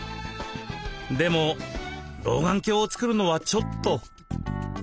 でも老眼鏡を作るのはちょっと。